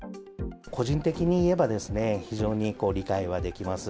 個人的に言えばですね、非常に理解はできます。